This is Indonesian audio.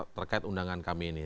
terkait undangan kami ini